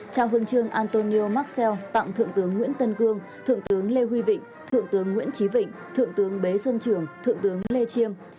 trao huân chương antonio markel tặng thượng tướng nguyễn tân cương thượng tướng lê huy vịnh thượng tướng nguyễn trí vịnh thượng tướng bế xuân trường thượng tướng lê chiêm